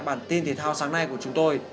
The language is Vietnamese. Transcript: bản tin thể thao sáng nay của chúng tôi